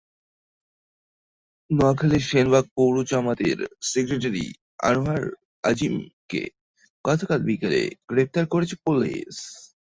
নোয়াখালীর সেনবাগ পৌর জামায়াতের সেক্রেটারি আনোয়ারুল আজিমকে গতকাল বিকেলে গ্রেপ্তার করেছে পুলিশ।